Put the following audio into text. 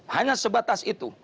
hanya sebatas itu